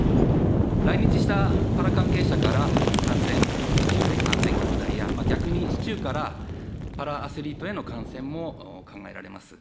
来日したパラ関係者から感染、市中へ感染拡大や、逆に市中からパラアスリートへの感染も考えられます。